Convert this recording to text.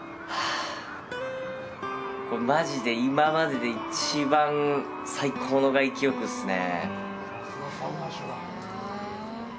これ、マジで今までで一番最高の外気浴っすね。